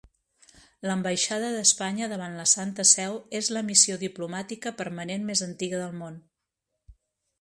L'Ambaixada d'Espanya davant la Santa Seu és la missió diplomàtica permanent més antiga del món.